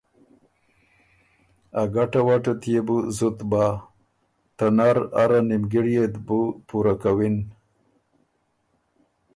ا ګټه وټۀ ت يې بو زُت بَۀ۔ ته نر اره نیمګِړيې ت بُو پُورۀ کوِن۔